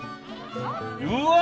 うわ！